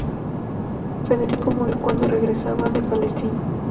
Federico murió cuando regresaba de Palestina.